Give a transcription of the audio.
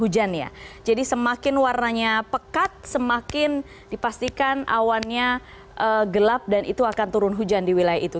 jadi semakin warnanya pekat semakin dipastikan awannya gelap dan itu akan turun hujan di wilayah itu